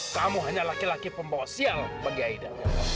kamu hanya laki laki pembawa sial bagi aida